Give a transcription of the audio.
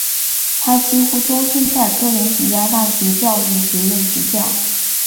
他几乎终生在哥伦比亚大学教育学院执教。